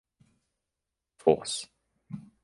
Force.